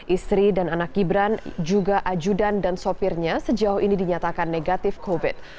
istri dan anak gibran juga ajudan dan sopirnya sejauh ini dinyatakan negatif covid